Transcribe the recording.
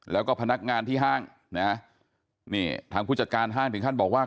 แล้วก็พนักงานที่ห้างนะนี่ทางผู้จัดการห้างถึงขั้นบอกว่า